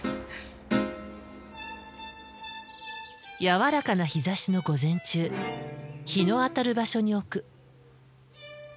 やわらかな日ざしの午前中日の当たる場所に置く。